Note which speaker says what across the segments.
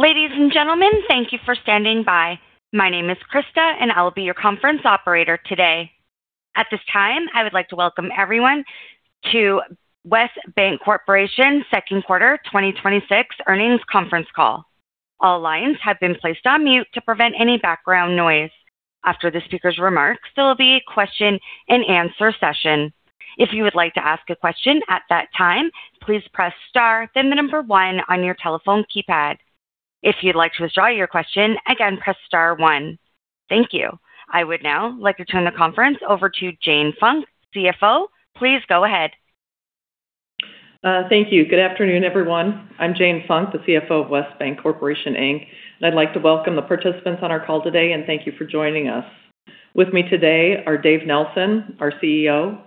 Speaker 1: Ladies and gentlemen, thank you for standing by. My name is Krista, and I'll be your conference operator today. At this time, I would like to welcome everyone to West Bancorporation second quarter 2026 earnings conference call. All lines have been placed on mute to prevent any background noise. After the speaker's remarks, there will be a question and answer session. If you would like to ask a question at that time, please press star then the number one on your telephone keypad. If you'd like to withdraw your question, again, press star one. Thank you. I would now like to turn the conference over to Jane Funk, CFO. Please go ahead.
Speaker 2: Thank you. Good afternoon, everyone. I'm Jane Funk, the CFO of West Bancorporation, Inc. I'd like to welcome the participants on our call today and thank you for joining us. With me today are Dave Nelson, our CEO,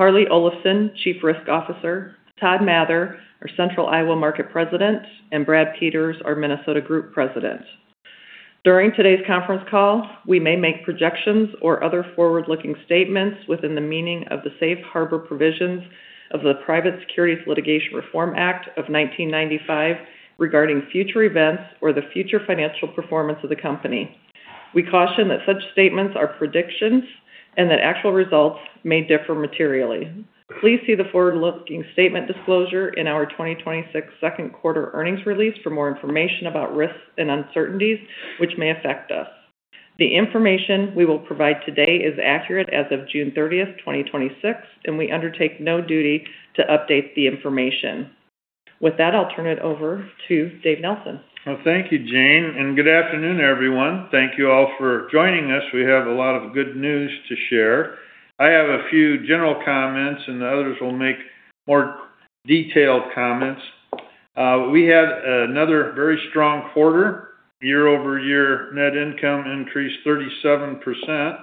Speaker 2: Harlee Olafson, Chief Risk Officer, Todd Mather, our Central Iowa Market President, and Brad Peters, our Minnesota Group President. During today's conference call, we may make projections or other forward-looking statements within the meaning of the safe harbor provisions of the Private Securities Litigation Reform Act of 1995 regarding future events or the future financial performance of the company. We caution that such statements are predictions and that actual results may differ materially. Please see the forward-looking statement disclosure in our 2026 second quarter earnings release for more information about risks and uncertainties which may affect us. The information we will provide today is accurate as of June 30th, 2026, and we undertake no duty to update the information. With that, I'll turn it over to Dave Nelson.
Speaker 3: Well, thank you, Jane, good afternoon, everyone. Thank you all for joining us. We have a lot of good news to share. I have a few general comments, the others will make more detailed comments. We had another very strong quarter. Year-over-year net income increased 37%,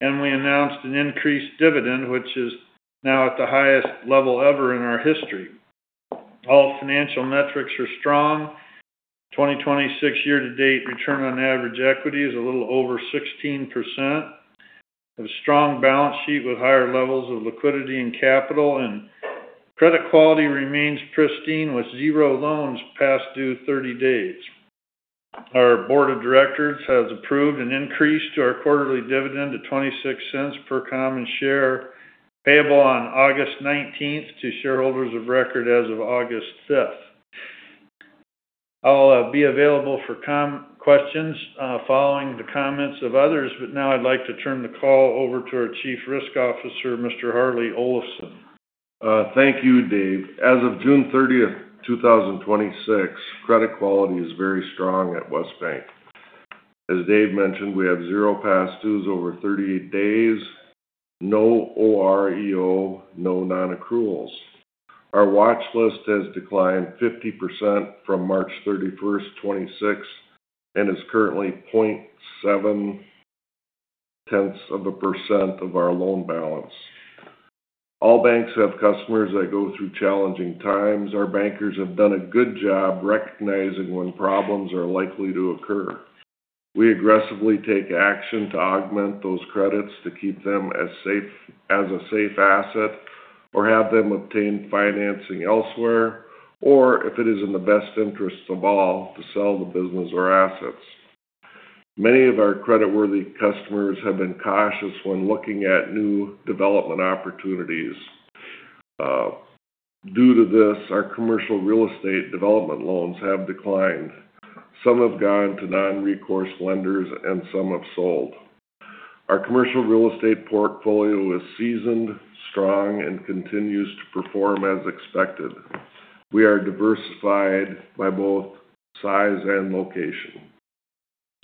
Speaker 3: and we announced an increased dividend, which is now at the highest level ever in our history. All financial metrics are strong. 2026 year to date return on average equity is a little over 16%. A strong balance sheet with higher levels of liquidity and capital, credit quality remains pristine with zero loans past due 30 days. Our board of directors has approved an increase to our quarterly dividend to $0.26 per common share, payable on August 19th to shareholders of record as of August 5th. I'll be available for questions following the comments of others. Now I'd like to turn the call over to our Chief Risk Officer, Mr. Harlee Olafson.
Speaker 4: Thank you, Dave. As of June 30th, 2026, credit quality is very strong at West Bank. As Dave mentioned, we have zero past dues over 30 days, no OREO, no non-accruals. Our watch list has declined 50% from March 31st, 2026, and is currently 0.7 tenths of a percent of our loan balance. All banks have customers that go through challenging times. Our bankers have done a good job recognizing when problems are likely to occur. We aggressively take action to augment those credits to keep them as a safe asset, or have them obtain financing elsewhere, or if it is in the best interest of all, to sell the business or assets. Many of our creditworthy customers have been cautious when looking at new development opportunities. Due to this, our commercial real estate development loans have declined. Some have gone to non-recourse lenders and some have sold. Our commercial real estate portfolio is seasoned, strong, and continues to perform as expected. We are diversified by both size and location.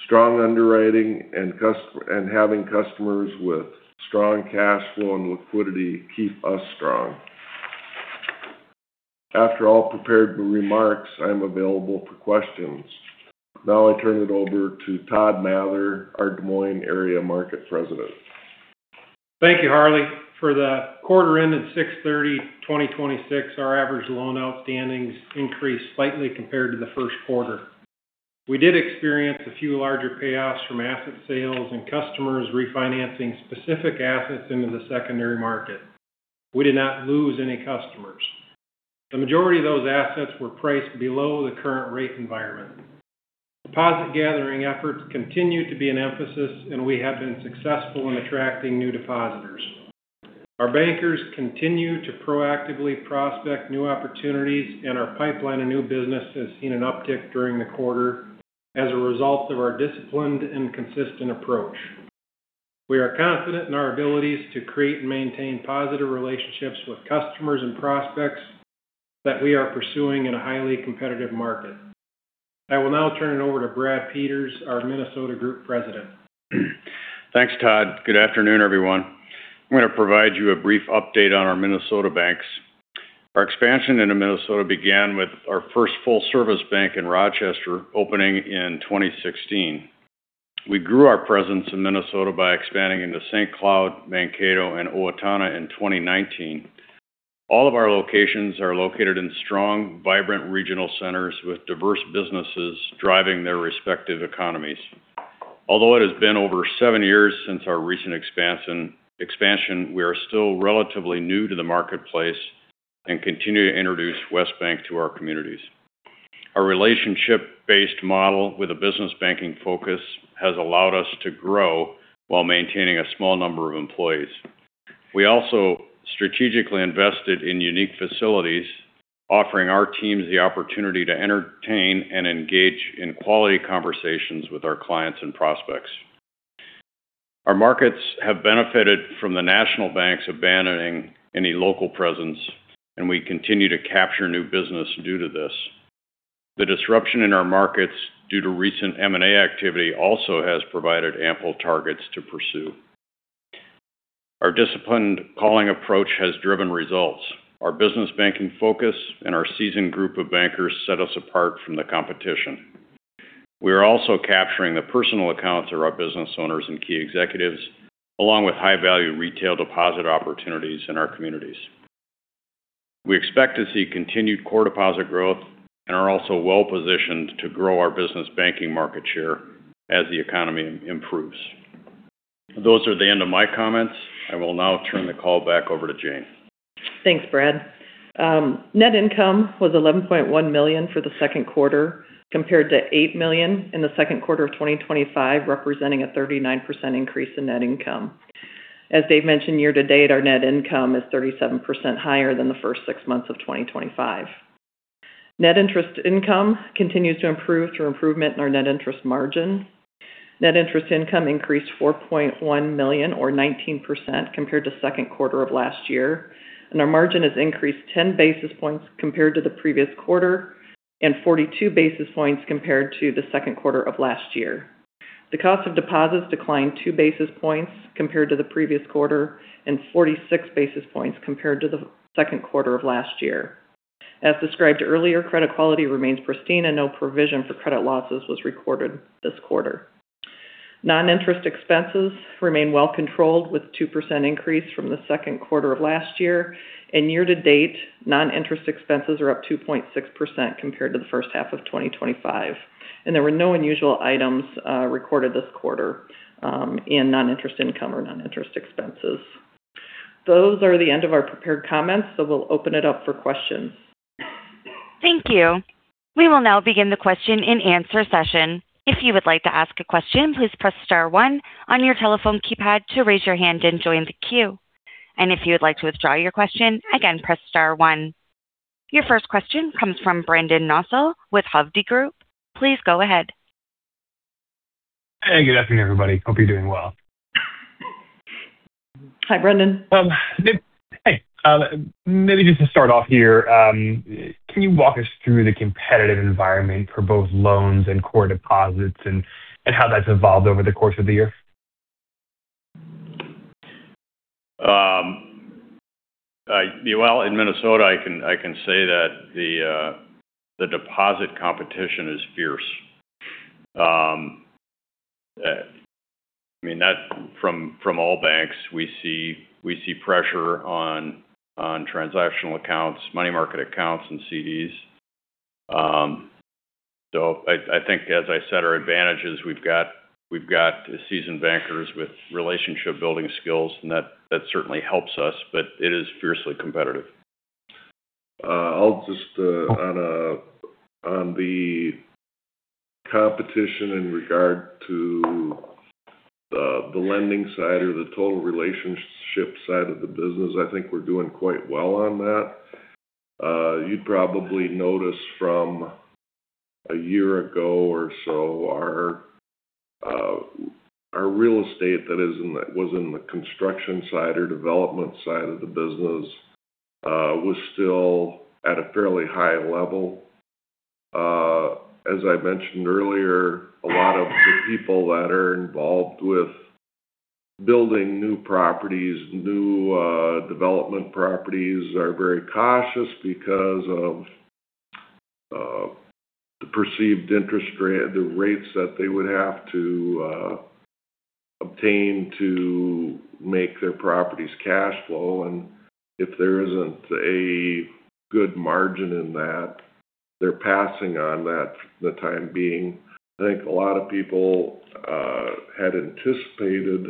Speaker 4: Strong underwriting and having customers with strong cash flow and liquidity keep us strong. After all prepared remarks, I'm available for questions. Now I turn it over to Todd Mather, our Des Moines area Market President.
Speaker 5: Thank you, Harlee. For the quarter ended 6/30/2026, our average loan outstandings increased slightly compared to the first quarter. We did experience a few larger payoffs from asset sales and customers refinancing specific assets into the secondary market. We did not lose any customers. The majority of those assets were priced below the current rate environment. Deposit gathering efforts continue to be an emphasis. We have been successful in attracting new depositors. Our bankers continue to proactively prospect new opportunities, and our pipeline of new business has seen an uptick during the quarter as a result of our disciplined and consistent approach. We are confident in our abilities to create and maintain positive relationships with customers and prospects that we are pursuing in a highly competitive market. I will now turn it over to Brad Peters, our Minnesota Group President.
Speaker 6: Thanks, Todd. Good afternoon, everyone. I'm going to provide you a brief update on our Minnesota banks. Our expansion into Minnesota began with our first full-service bank in Rochester, opening in 2016. We grew our presence in Minnesota by expanding into St. Cloud, Mankato, and Owatonna in 2019. All of our locations are located in strong, vibrant regional centers with diverse businesses driving their respective economies. Although it has been over seven years since our recent expansion, we are still relatively new to the marketplace and continue to introduce West Bank to our communities. Our relationship-based model with a business banking focus has allowed us to grow while maintaining a small number of employees. We also strategically invested in unique facilities, offering our teams the opportunity to entertain and engage in quality conversations with our clients and prospects. Our markets have benefited from the national banks abandoning any local presence, and we continue to capture new business due to this. The disruption in our markets due to recent M&A activity also has provided ample targets to pursue. Our disciplined calling approach has driven results. Our business banking focus and our seasoned group of bankers set us apart from the competition. We are also capturing the personal accounts of our business owners and key executives, along with high-value retail deposit opportunities in our communities. We expect to see continued core deposit growth and are also well-positioned to grow our business banking market share as the economy improves. Those are the end of my comments. I will now turn the call back over to Jane.
Speaker 2: Thanks, Brad. Net income was $11.1 million for the second quarter, compared to $8 million in the second quarter of 2025, representing a 39% increase in net income. As Dave mentioned, year to date, our net income is 37% higher than the first six months of 2025. Net interest income continues to improve through improvement in our net interest margin. Net interest income increased $4.1 million, or 19%, compared to second quarter of last year. Our margin has increased 10 basis points compared to the previous quarter and 42 basis points compared to the second quarter of last year. The cost of deposits declined 2 basis points compared to the previous quarter and 46 basis points compared to the second quarter of last year. As described earlier, credit quality remains pristine, and no provision for credit losses was recorded this quarter. Non-interest expenses remain well-controlled, with 2% increase from the second quarter of last year. Year to date, non-interest expenses are up 2.6% compared to the first half of 2025. There were no unusual items recorded this quarter in non-interest income or non-interest expenses. Those are the end of our prepared comments, so we'll open it up for questions.
Speaker 1: Thank you. We will now begin the question and answer session. If you would like to ask a question, please press star one on your telephone keypad to raise your hand and join the queue. If you would like to withdraw your question, again, press star one. Your first question comes from Brendan Nosal with Hovde Group. Please go ahead.
Speaker 7: Hey, good afternoon, everybody. Hope you're doing well.
Speaker 2: Hi, Brendan.
Speaker 7: Hey. Maybe just to start off here, can you walk us through the competitive environment for both loans and core deposits and how that's evolved over the course of the year?
Speaker 6: In Minnesota, I can say that the deposit competition is fierce. From all banks, we see pressure on transactional accounts, money market accounts, and CDs. I think, as I said, our advantage is we've got seasoned bankers with relationship-building skills, and that certainly helps us. It is fiercely competitive.
Speaker 4: On the competition in regard to the lending side or the total relationship side of the business, I think we're doing quite well on that. You'd probably notice from a year ago or so, our real estate that was in the construction side or development side of the business was still at a fairly high level. As I mentioned earlier, a lot of the people that are involved with building new properties, new development properties, are very cautious because of the perceived interest rates that they would have to obtain to make their properties cash flow. If there isn't a good margin in that, they're passing on that for the time being. I think a lot of people had anticipated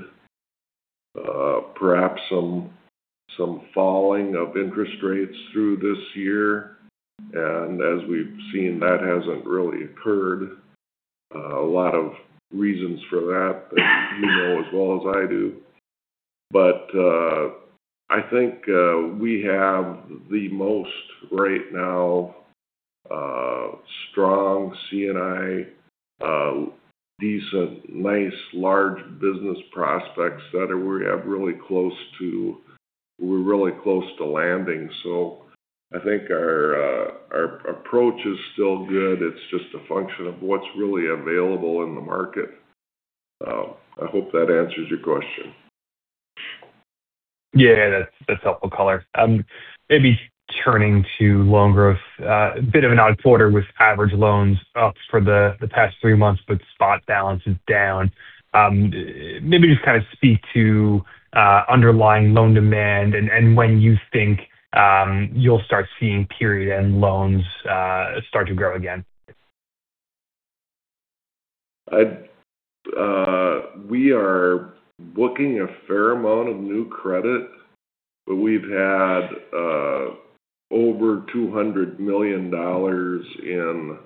Speaker 4: perhaps some falling of interest rates through this year. As we've seen, that hasn't really occurred. A lot of reasons for that you know as well as I do. I think we have the most, right now, strong C&I, decent, nice, large business prospects that we're really close to landing. I think our approach is still good. It's just a function of what's really available in the market. I hope that answers your question.
Speaker 7: Yeah, that's helpful color. Maybe turning to loan growth. A bit of an odd quarter with average loans up for the past three months, but spot balances down. Maybe just speak to underlying loan demand and when you think you'll start seeing period end loans start to grow again.
Speaker 4: We are booking a fair amount of new credit, but we've had over $200 million in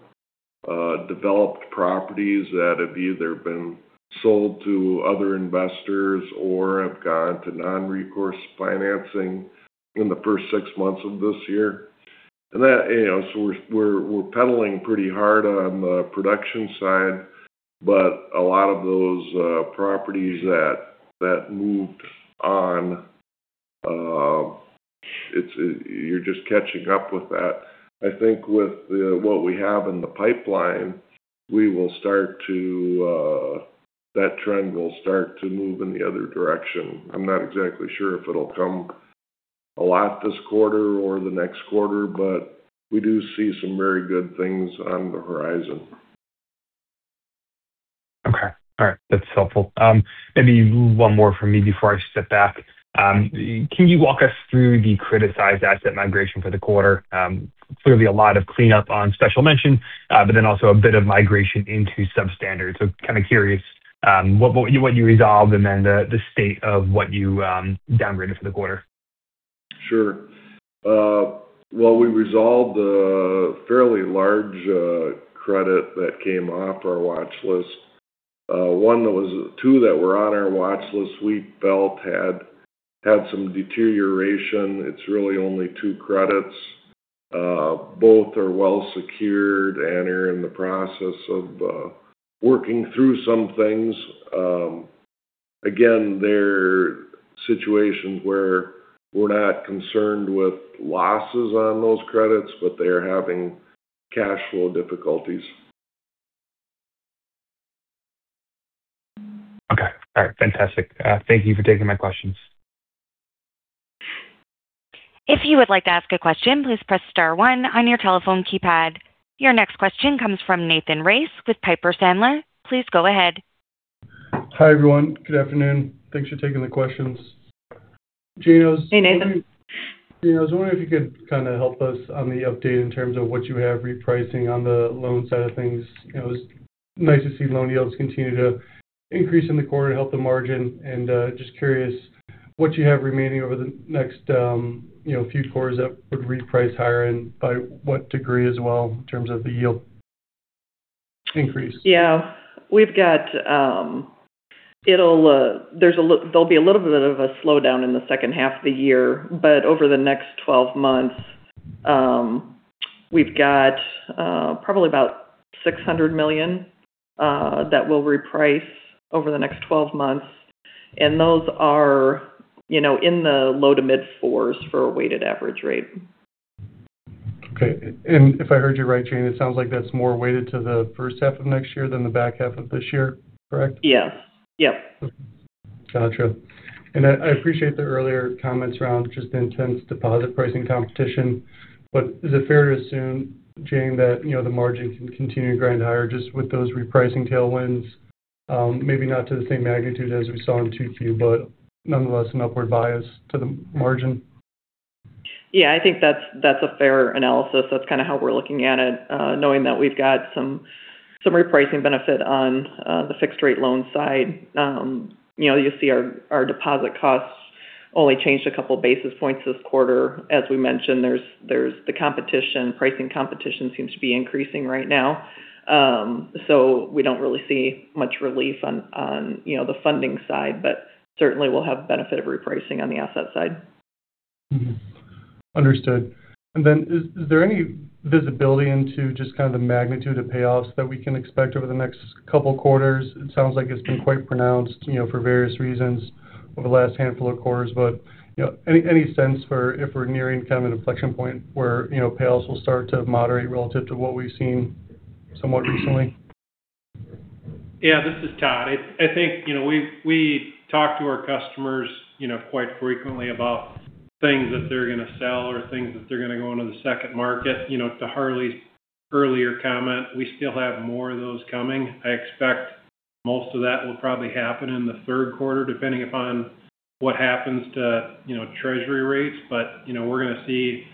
Speaker 4: developed properties that have either been sold to other investors or have gone to non-recourse financing in the first six months of this year. We're pedaling pretty hard on the production side, but a lot of those properties that moved on, you're just catching up with that. I think with what we have in the pipeline, that trend will start to move in the other direction. I'm not exactly sure if it'll come a lot this quarter or the next quarter, but we do see some very good things on the horizon.
Speaker 7: Okay. All right. That's helpful. Maybe one more from me before I step back. Can you walk us through the criticized asset migration for the quarter? Clearly a lot of cleanup on special mention, also a bit of migration into substandard. Curious what you resolved and then the state of what you downgraded for the quarter.
Speaker 4: Sure. Well, we resolved a fairly large credit that came off our watch list. Two that were on our watch list we felt had some deterioration. It's really only two credits. Both are well secured and are in the process of working through some things. Again, they're situations where we're not concerned with losses on those credits. They are having cash flow difficulties.
Speaker 7: Okay. All right. Fantastic. Thank you for taking my questions.
Speaker 1: If you would like to ask a question, please press star one on your telephone keypad. Your next question comes from Nathan Race with Piper Sandler. Please go ahead.
Speaker 8: Hi, everyone. Good afternoon. Thanks for taking the questions.
Speaker 2: Hey, Nathan.
Speaker 8: Jane, I was wondering if you could help us on the update in terms of what you have repricing on the loan side of things. It was nice to see loan yields continue to increase in the quarter to help the margin and just curious what you have remaining over the next few quarters that would reprice higher and by what degree as well in terms of the yield increase.
Speaker 2: Yeah. There'll be a little bit of a slowdown in the second half of the year, but over the next 12 months, we've got probably about $600 million that will reprice over the next 12 months, and those are in the low to mid fours for a weighted average rate.
Speaker 8: Okay. If I heard you right, Jane, it sounds like that's more weighted to the first half of next year than the back half of this year, correct?
Speaker 2: Yes.
Speaker 8: Got you. I appreciate the earlier comments around just the intense deposit pricing competition. Is it fair to assume, Jane, that the margin can continue to grind higher just with those repricing tailwinds? Maybe not to the same magnitude as we saw in 2Q, nonetheless, an upward bias to the margin.
Speaker 2: Yeah, I think that's a fair analysis. That's kind of how we're looking at it, knowing that we've got some repricing benefit on the fixed rate loan side. You'll see our deposit costs only changed a couple of basis points this quarter. As we mentioned, there's the competition. Pricing competition seems to be increasing right now. We don't really see much relief on the funding side, but certainly we'll have benefit of repricing on the asset side.
Speaker 8: Understood. Is there any visibility into just the magnitude of payoffs that we can expect over the next couple quarters? It sounds like it's been quite pronounced for various reasons over the last handful of quarters. Any sense for if we're nearing an inflection point where payoffs will start to moderate relative to what we've seen somewhat recently?
Speaker 5: Yeah. This is Todd. I think we talk to our customers quite frequently about things that they're going to sell or things that they're going to go into the second market. To Harlee's earlier comment, we still have more of those coming. I expect most of that will probably happen in the third quarter, depending upon what happens to Treasury rates. We're going to see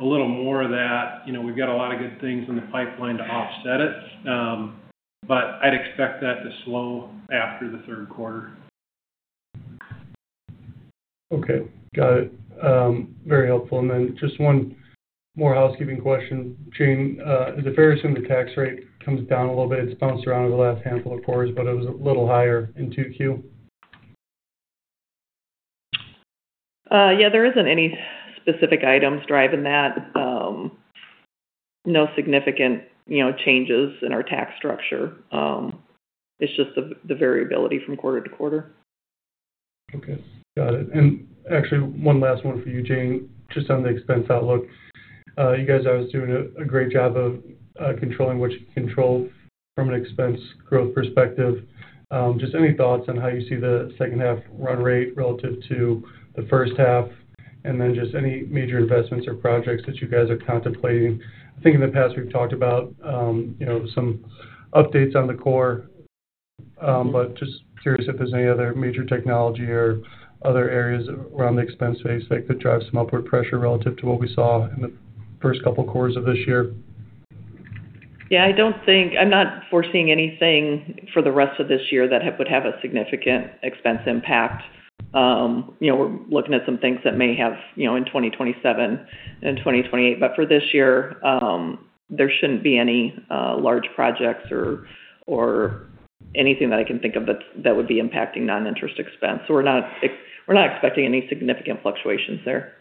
Speaker 5: a little more of that. We've got a lot of good things in the pipeline to offset it. I'd expect that to slow after the third quarter.
Speaker 8: Okay. Got it. Very helpful. Just one more housekeeping question, Jane. Is it fair to assume the tax rate comes down a little bit? It's bounced around over the last handful of quarters, it was a little higher in 2Q.
Speaker 2: Yeah, there isn't any specific items driving that. No significant changes in our tax structure. It's just the variability from quarter to quarter.
Speaker 8: Okay, got it. Actually, one last one for you, Jane, just on the expense outlook. You guys always doing a great job of controlling what you can control from an expense growth perspective. Just any thoughts on how you see the second half run rate relative to the first half, then just any major investments or projects that you guys are contemplating? I think in the past we've talked about some updates on the core. Just curious if there's any other major technology or other areas around the expense base that could drive some upward pressure relative to what we saw in the first couple quarters of this year.
Speaker 2: Yeah, I'm not foreseeing anything for the rest of this year that would have a significant expense impact. We're looking at some things that may have in 2027 and 2028, but for this year, there shouldn't be any large projects or anything that I can think of that would be impacting non-interest expense. We're not expecting any significant fluctuations there.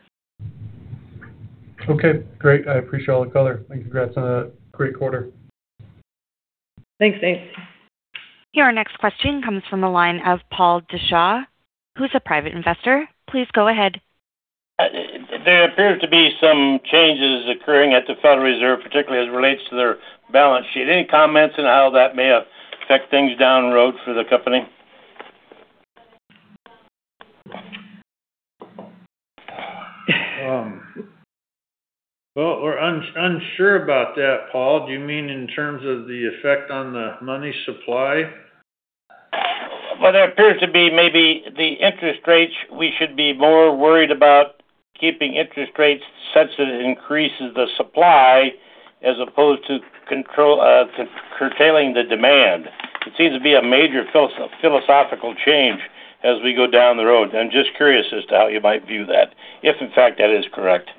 Speaker 8: Okay, great. I appreciate all the color, and congrats on a great quarter.
Speaker 2: Thanks, Nate.
Speaker 1: Here our next question comes from the line of Paul DeShaw, who's a private investor. Please go ahead.
Speaker 9: There appear to be some changes occurring at the Federal Reserve, particularly as it relates to their balance sheet. Any comments on how that may affect things down the road for the company?
Speaker 3: Well, we're unsure about that, Paul. Do you mean in terms of the effect on the money supply?
Speaker 9: Well, there appears to be maybe the interest rates. We should be more worried about keeping interest rates such that it increases the supply as opposed to curtailing the demand. It seems to be a major philosophical change as we go down the road. I'm just curious as to how you might view that, if in fact that is correct.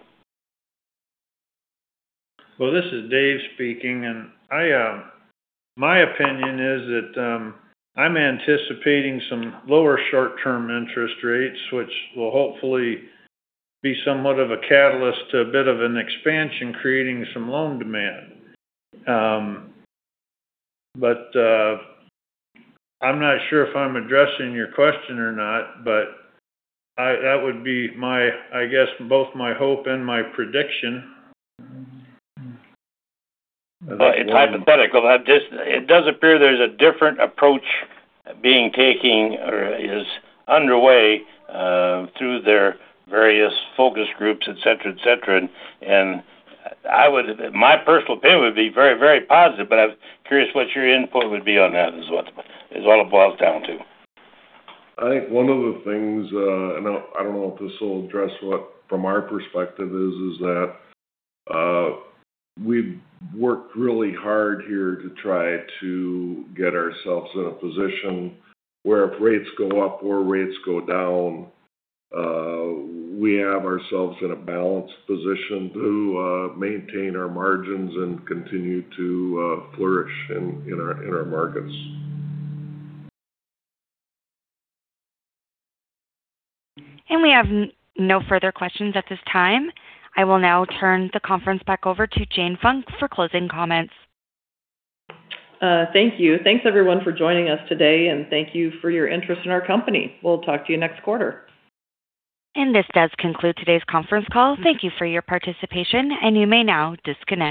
Speaker 3: This is Dave speaking, my opinion is that I'm anticipating some lower short-term interest rates, which will hopefully be somewhat of a catalyst to a bit of an expansion, creating some loan demand. I'm not sure if I'm addressing your question or not, that would be, I guess, both my hope and my prediction.
Speaker 9: It's hypothetical. It does appear there's a different approach being taken or is underway through their various focus groups, et cetera. My personal opinion would be very positive, I was curious what your input would be on that is what it boils down to.
Speaker 4: I think one of the things, I don't know if this will address what from our perspective is that we've worked really hard here to try to get ourselves in a position where if rates go up or rates go down, we have ourselves in a balanced position to maintain our margins and continue to flourish in our markets.
Speaker 1: We have no further questions at this time. I will now turn the conference back over to Jane Funk for closing comments.
Speaker 2: Thank you. Thanks everyone for joining us today, and thank you for your interest in our company. We'll talk to you next quarter.
Speaker 1: This does conclude today's conference call. Thank you for your participation, and you may now disconnect.